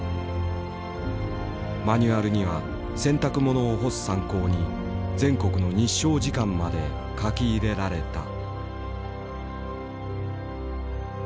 マニュアルには洗濯物を干す参考に全国の日照時間まで書き入れられた。